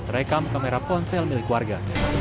rekam kamera ponsel milik warga